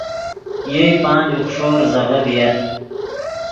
یئے پانچ، اوخݰو زیزغے ڤییت